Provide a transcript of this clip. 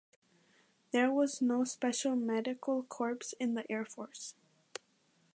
There was no special medical corps in the air force.